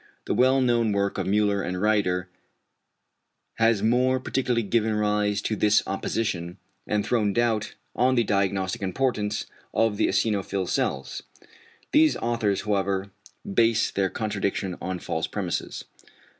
The well known work of Müller and Rieder has more particularly given rise to this opposition, and thrown doubt on the diagnostic importance of the eosinophil cells. These authors however base their contradiction on false premises.